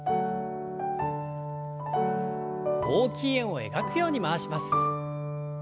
大きい円を描くように回します。